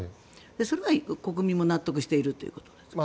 それは国民も納得しているということですか。